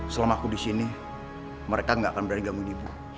selama aku disini mereka gak akan berani gangguin ibu